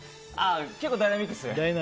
結構ダイナミックですね。